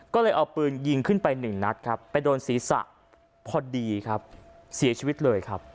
ก็เลยเอาปืนยิงขึ้นไปหนึ่งนัดไปโดนศีรษะพอดีสีชีวิตเลย